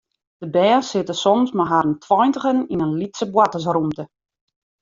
De bern sitte soms mei harren tweintigen yn in lytse boartersrûmte.